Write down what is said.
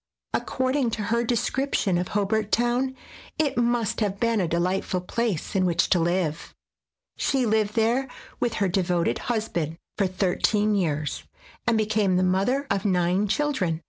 According to her descrip tion of Hobart Town, it must have been a delightful place in which to live. She lived there with her devoted husband for thir teen years, and became the mother of nine children.